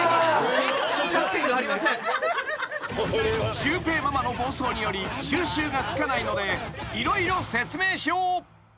［シュウペイママの暴走により収拾がつかないので色々説明しよう］